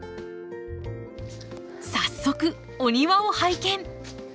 早速お庭を拝見。